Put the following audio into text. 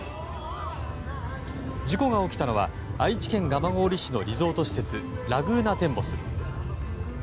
事故が起きたのは愛知県蒲郡市のリゾート施設ラグーナテンボス。